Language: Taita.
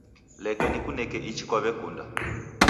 Leke nikuneke ichi kwaw'ekunda